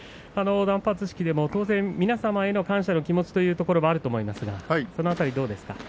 断髪式でも当然、皆さんへの感謝の気持ちもあると思いますがその辺りいかがですか。